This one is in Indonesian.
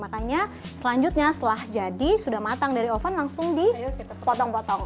makanya selanjutnya setelah jadi sudah matang dari oven langsung dipotong potong